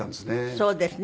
そうですね。